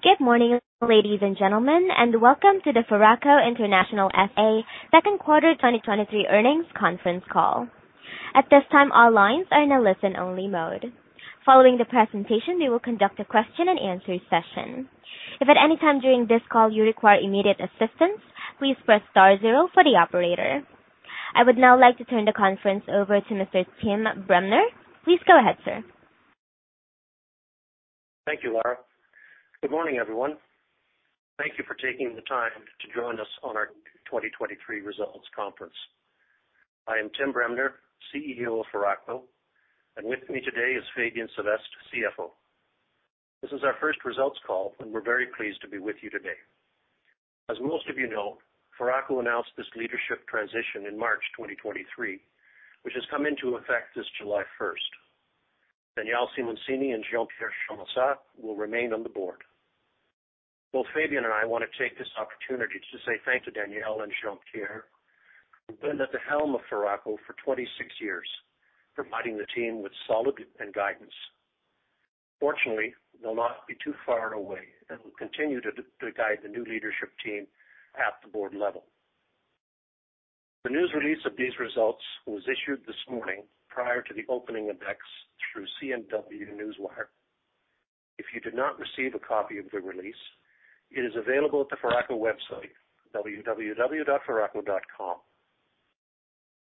Good morning, ladies and gentlemen, and welcome to the Foraco International SA Q2 2023 earnings conference call. At this time, all lines are in a listen-only mode. Following the presentation, we will conduct a question and answer session. If at any time during this call you require immediate assistance, please press star zero for the operator. I would now like to turn the conference over to Mr. Tim Bremner. Please go ahead, sir. Thank you, Lara. Good morning, everyone. Thank you for taking the time to join us on our 2023 results conference. I am Tim Bremner, CEO of Foraco, and with me today is Fabien Sevestre, CFO. This is our first results call. We're very pleased to be with you today. As most of you know, Foraco announced this leadership transition in March 2023, which has come into effect this July 1st. Daniel Simoncini and Jean-Pierre Charmensat will remain on the board. Both Fabien and I want to take this opportunity to say thank to Daniel and Jean-Pierre, who've been at the helm of Foraco for 26 years, providing the team with solid and guidance. Fortunately, they'll not be too far away and will continue to guide the new leadership team at the board level. The news release of these results was issued this morning prior to the opening of X through CNW Newswire. If you did not receive a copy of the release, it is available at the Foraco website, www.foraco.com.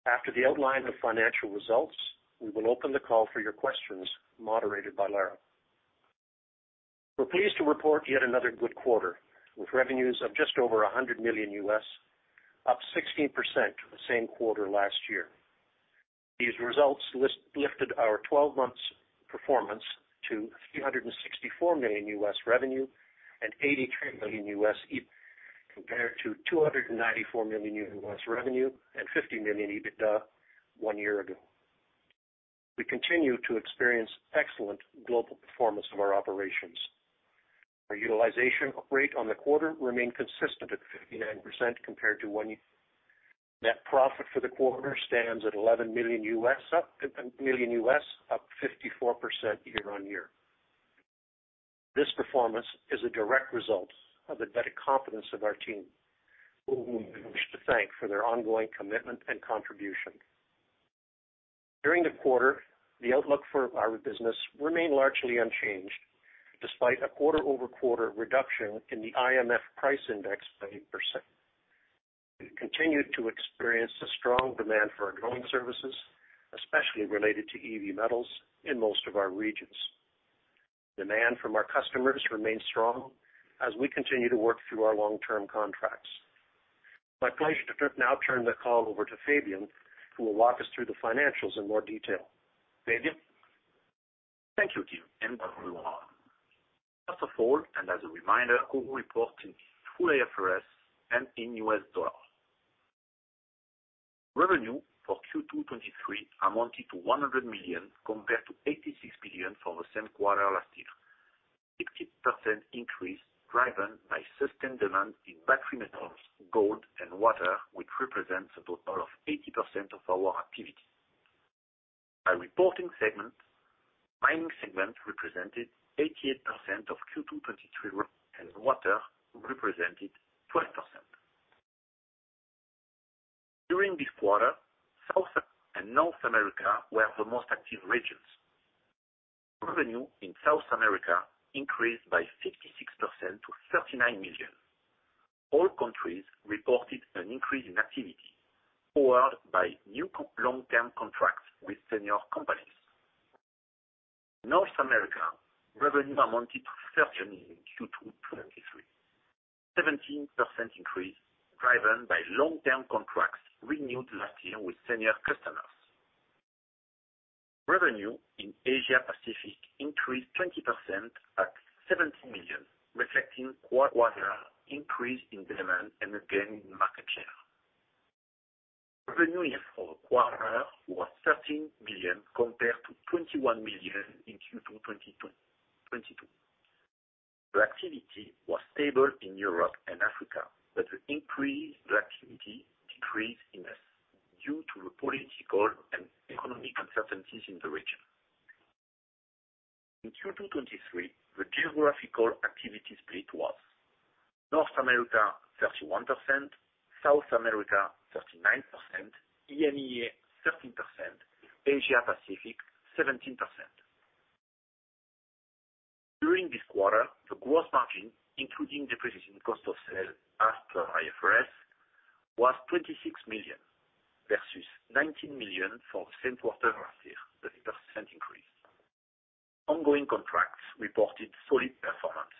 After the outline of financial results, we will open the call for your questions, moderated by Lara. We're pleased to report yet another good quarter, with revenues of just over $100 million, up 16% the same quarter last year. These results lifted our 12 months performance to $364 million revenue and $83 million, compared to $294 million revenue and $50 million EBITDA 1 year ago. We continue to experience excellent global performance of our operations. Our utilization rate on the quarter remained consistent at 59% compared to one net profit for the quarter stands at $11 million, up 54% year-on-year. This performance is a direct result of the dedicated confidence of our team, whom we wish to thank for their ongoing commitment and contribution. During the quarter, the outlook for our business remained largely unchanged, despite a quarter-over-quarter reduction in the IMF metal price index of 8%. We continued to experience a strong demand for our growing services, especially related to EV metals in most of our regions. Demand from our customers remains strong as we continue to work through our long-term contracts. My pleasure to now turn the call over to Fabien, who will walk us through the financials in more detail. Fabien? Thank you, Tim, and everyone. First of all, as a reminder, we report in full IFRS and in US dollars. Revenue for Q2 2023 amounted to $100 million, compared to $86 million for the same quarter last year. 60% increase, driven by sustained demand in battery metals, gold, and water, which represents a total of 80% of our activity. Our reporting segment, mining segment, represented 88% of Q2 2023, and water represented 12%. During this quarter, South and North America were the most active regions. Revenue in South America increased by 56% to $39 million. All countries reported an increase in activity, powered by new long-term contracts with senior companies. North America revenue amounted to $13 million Q2 2023, 17% increase, driven by long-term contracts renewed last year with senior customers. Revenue in Asia Pacific increased 20% at $17 million, reflecting quarter increase in demand and again in market share. Revenue for the quarter was $13 million, compared to $21 million in Q2 2022. The activity was stable in Europe and Africa, the activity decreased in the CIS, due to the political and economic uncertainties in the region. In Q2 2023, the geographical activity split was: North America 31%, South America 39%, EMEA 13%, Asia Pacific 17%. During this quarter, the gross margin, including depreciation cost of sales, as per IFRS, was $26 million versus $19 million for the same quarter last year, a 30% increase. Ongoing contracts reported solid performances.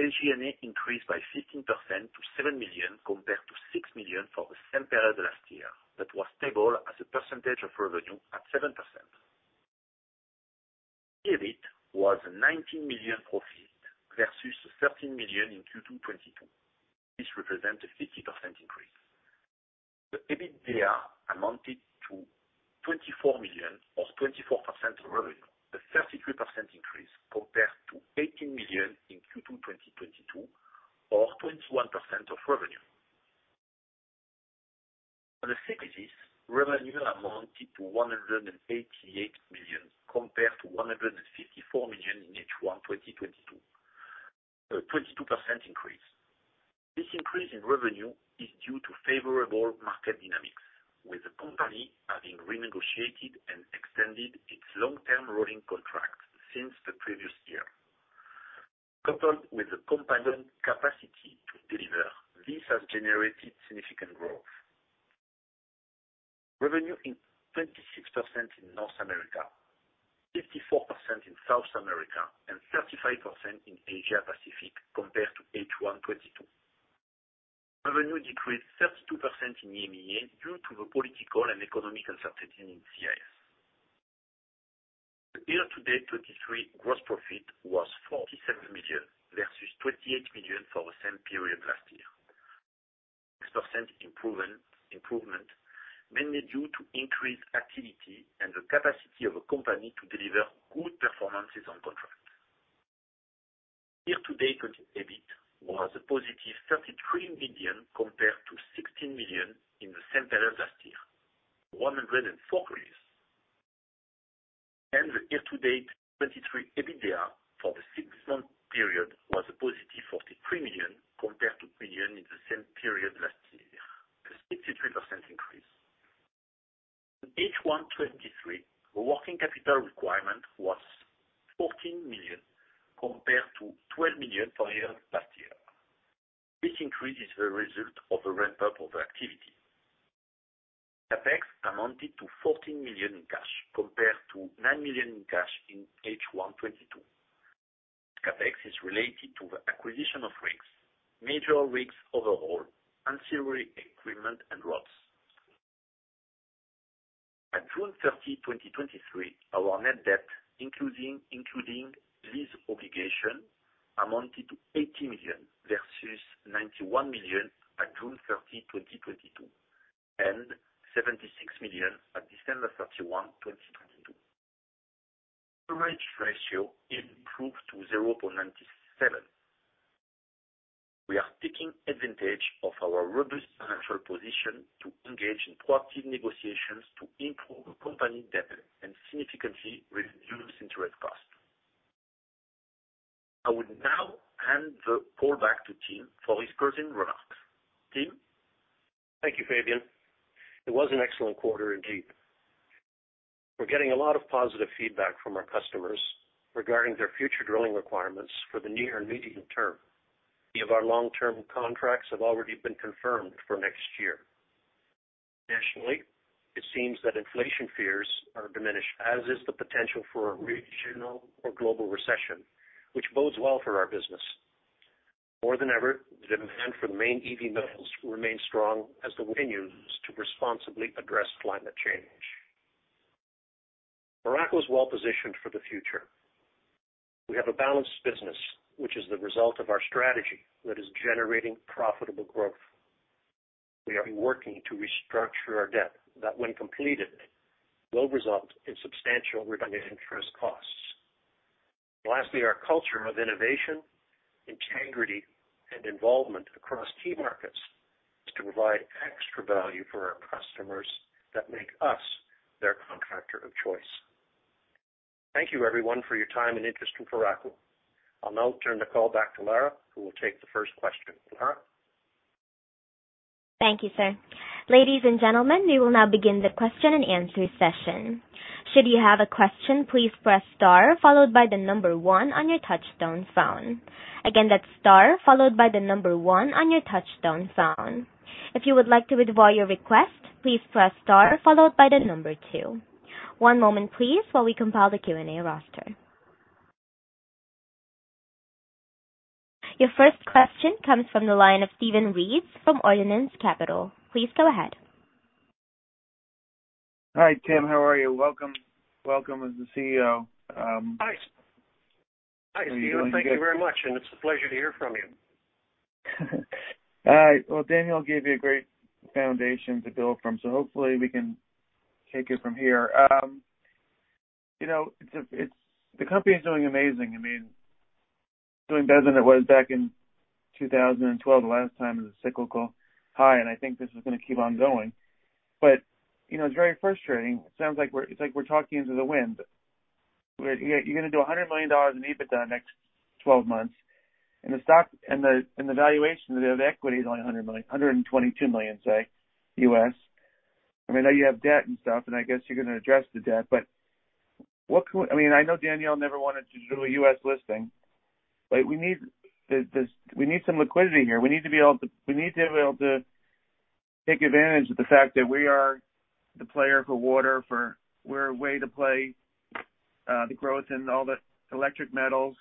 SG&A increased by 15% to $7 million, compared to $6 million for the same period last year. That was stable as a percentage of revenue at 7%. EBIT was a $19 million profit versus $13 million in Q2 2022. This represent a 50% increase. The EBITDA amounted to $24 million or 24% of revenue, a 33% increase compared to $18 million in Q2 2022 or 21% of revenue. For the segment, revenue amounted to $188 million, compared to $154 million in H1 2022, a 22% increase. This increase in revenue is due to favorable market dynamics, with the company having renegotiated and extended its long-term rolling contracts since the previous year. Coupled with the companion capacity to deliver, this has generated significant growth. Revenue increased 26% in North America, 54% in South America, and 35% in Asia Pacific compared to H1 2022. Revenue decreased 32% in EMEA due to the political and economic uncertainty in CIS. The year-to-date 2023 gross profit was $47 million versus $28 million for the same period last year. 6% improvement, mainly due to increased activity and the capacity of a company to deliver good performances on contract. Year-to-date EBIT was a positive $33 million compared to $16 million in the same period last year, 104% increase. The year-to-date 2023 EBITDA for the six-month period was a positive $43 million compared to billion in the same period last year, a 63% increase. H1 2023, the working capital requirement was $14 million compared to $12 million for the year last year. This increase is the result of a ramp-up of activity. CapEx amounted to $14 million in cash, compared to $9 million in cash in H1 2022. CapEx is related to the acquisition of rigs, major rigs overhaul, ancillary equipment, and rods. At June 30, 2023, our net debt, including lease obligation, amounted to $80 million versus $91 million at June 30, 2022, and $76 million at December 31, 2022. Coverage ratio improved to 0.97. We are taking advantage of our robust financial position to engage in proactive negotiations to improve the company debt and significantly reduce interest cost. I would now hand the call back to Tim for his closing remarks. Tim? Thank you, Fabien. It was an excellent quarter indeed. We're getting a lot of positive feedback from our customers regarding their future drilling requirements for the near and medium term. Many of our long-term contracts have already been confirmed for next year. Additionally, it seems that inflation fears are diminished, as is the potential for a regional or global recession, which bodes well for our business. More than ever, the demand for the main EV metals remains strong as the world continues to responsibly address climate change. Foraco is well positioned for the future. We have a balanced business, which is the result of our strategy that is generating profitable growth. We are working to restructure our debt, that when completed, will result in substantial reduction in interest costs. Lastly, our culture of innovation, integrity, and involvement across key markets is to provide extra value for our customers that make us their contractor of choice. Thank you everyone for your time and interest in Foraco. I'll now turn the call back to Lara, who will take the first question. Lara? Thank you, sir. Ladies and gentlemen, we will now begin the question and answer session. Should you have a question, please press star followed by 1 on your touch-tone phone. Again, that's star followed by 1 on your touch-tone phone. If you would like to withdraw your request, please press star followed by 2. One moment, please, while we compile the Q&A roster. Your first question comes from the line of Steven Reeves from Ordnance Capital. Please go ahead. Hi, Tim, how are you? Welcome, welcome as the CEO. Hi. Hi, Steven. Thank you very much. It's a pleasure to hear from you. Well, Daniel gave you a great foundation to build from, hopefully we can take it from here. You know, the company is doing amazing. I mean, doing better than it was back in 2012, the last time it was a cyclical high, and I think this is gonna keep on going. You know, it's very frustrating. It sounds like we're, it's like we're talking to the wind. You're gonna do $100 million in EBITDA in the next 12 months, and the stock and the, and the valuation of the equity is only $100 million, $122 million, say. I mean, I know you have debt and stuff, and I guess you're gonna address the debt, but what can we... I mean, I know Daniel never wanted to do a US listing. We need this, we need some liquidity here. We need to be able to take advantage of the fact that we are the player for water, we're a way to play the growth in all the electric metals.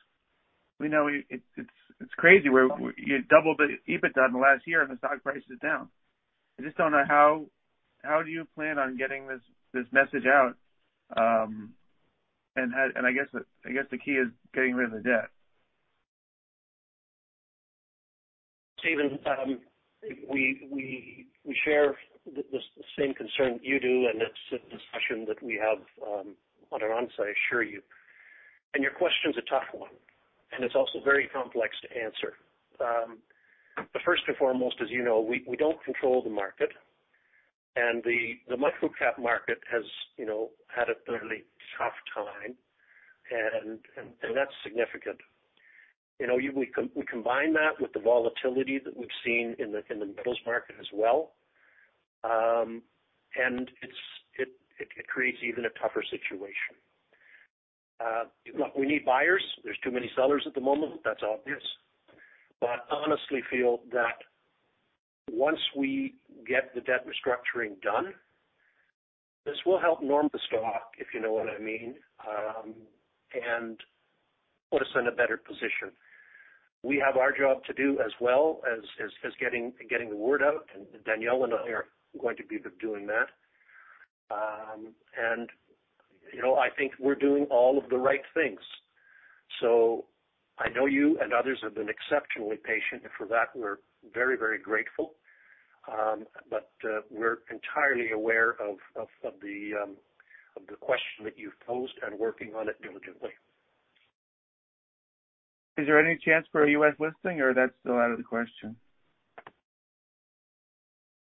We know it, it's, it's crazy. You doubled the EBITDA in the last year. The stock price is down. I just don't know how do you plan on getting this message out? I guess the key is getting rid of the debt. Steven, we share the same concern you do, and it's a discussion that we have on our own, I assure you. Your question is a tough one, and it's also very complex to answer. First and foremost, as you know, we don't control the market, and the micro-cap market has, you know, had a fairly tough time, and that's significant. You know, we combine that with the volatility that we've seen in the metals market as well, and it creates even a tougher situation. Look, we need buyers. There's too many sellers at the moment. That's obvious. I honestly feel that once we get the debt restructuring done, this will help norm the stock, if you know what I mean, and put us in a better position. We have our job to do as well as getting the word out, and Daniel and I are going to be doing that. And, you know, I think we're doing all of the right things. I know you and others have been exceptionally patient, and for that, we're very, very grateful. We're entirely aware of the question that you've posed and working on it diligently. Is there any chance for a U.S. listing, or that's still out of the question?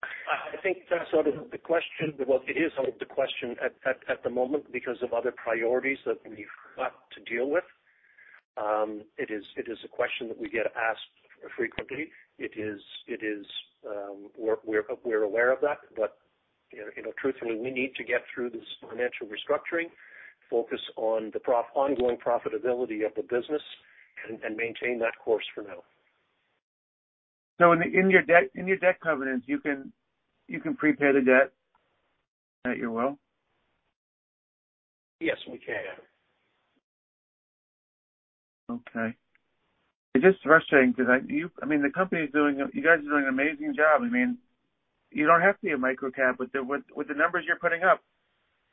I think that's out of the question. Well, it is out of the question at the moment because of other priorities that we've got to deal with. It is, it is a question that we get asked frequently. It is, it is... We're aware of that, but, you know, truthfully, we need to get through this financial restructuring, focus on the ongoing profitability of the business and maintain that course for now. In your debt covenants, you can prepay the debt at your will? Yes, we can. Okay. It's just frustrating because I mean, you guys are doing an amazing job. I mean, you don't have to be a micro-cap with the numbers you're putting up.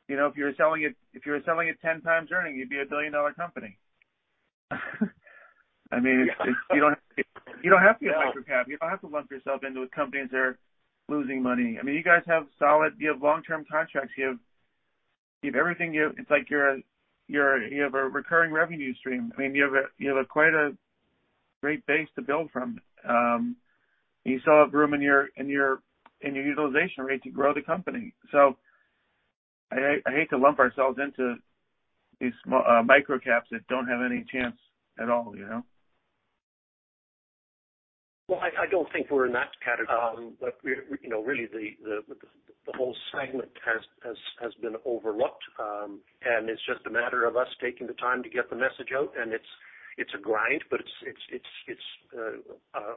You know, if you were selling at 10 times earning, you'd be a billion-dollar company. I mean, it's, you don't have to be a micro-cap. You don't have to lump yourself into with companies that are losing money. I mean, you guys have solid, you have long-term contracts. You have everything. It's like you have a recurring revenue stream. I mean, you have a quite a great base to build from. You still have room in your utilization rate to grow the company. I hate to lump ourselves into these small, micro-caps that don't have any chance at all, you know? Well, I don't think we're in that category. But we're, you know, really, the whole segment has been overlooked, and it's just a matter of us taking the time to get the message out, and it's a grind, but it's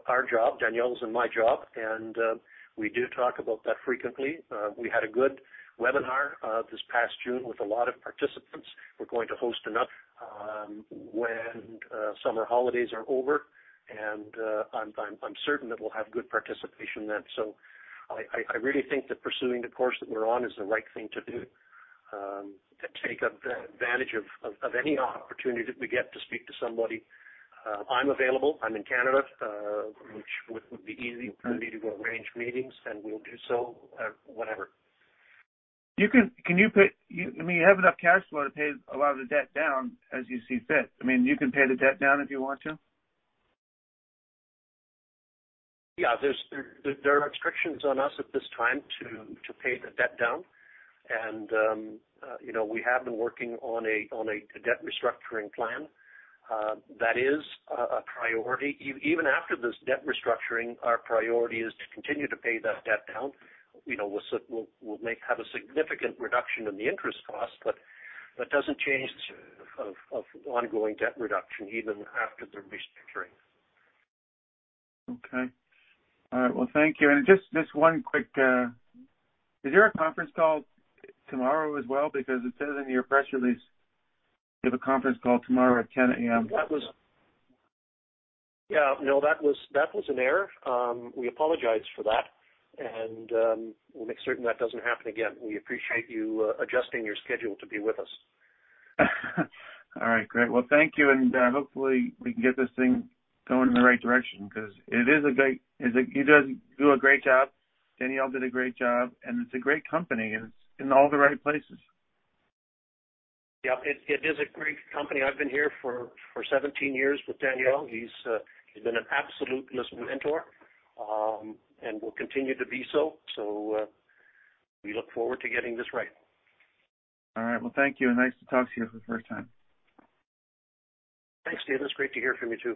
our job, Danielle's and my job, and we do talk about that frequently. We had a good webinar this past June with a lot of participants. We're going to host another when summer holidays are over, and I'm certain that we'll have good participation then. I really think that pursuing the course that we're on is the right thing to do, to take advantage of any opportunity that we get to speak to somebody. I'm available. I'm in Canada, which would be easy for me to arrange meetings, and we'll do so, whenever. You I mean, you have enough cash flow to pay a lot of the debt down as you see fit. I mean, you can pay the debt down if you want to? Yeah, there are restrictions on us at this time to pay the debt down. You know, we have been working on a debt restructuring plan. That is a priority. Even after this debt restructuring, our priority is to continue to pay that debt down. You know, we'll make, have a significant reduction in the interest cost, but that doesn't change of ongoing debt reduction even after the restructuring. Okay. All right. Well, thank you. Just one quick... Is there a conference call tomorrow as well? It says in your press release, you have a conference call tomorrow at 10:00 A.M. Yeah, no, that was an error. We apologize for that, we'll make certain that doesn't happen again. We appreciate you adjusting your schedule to be with us. All right, great. Well, thank you, and hopefully, we can get this thing going in the right direction because you guys do a great job. Daniel did a great job, and it's a great company, and it's in all the right places. Yeah, it is a great company. I've been here for 17 years with Daniel. He's been an absolute mentor, and will continue to be so. We look forward to getting this right. All right. Well, thank you, and nice to talk to you for the first time. Thanks, David. It's great to hear from you, too.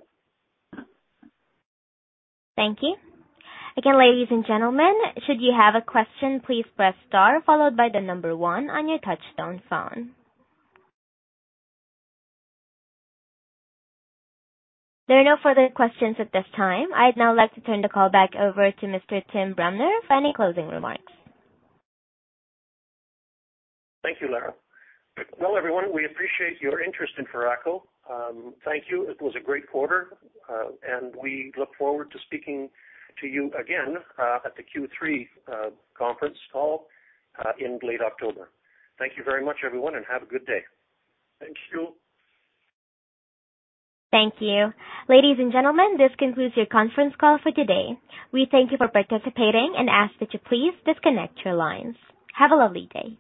Thank you. Again, ladies and gentlemen, should you have a question, please press star followed by the number one on your touchtone phone. There are no further questions at this time. I'd now like to turn the call back over to Mr. Tim Bremner for any closing remarks. Thank you, Lara. Well, everyone, we appreciate your interest in Foraco. Thank you. It was a great quarter. We look forward to speaking to you again at the Q3 conference call in late October. Thank you very much, everyone, and have a good day. Thank you. Thank you. Ladies and gentlemen, this concludes your conference call for today. We thank you for participating and ask that you please disconnect your lines. Have a lovely day.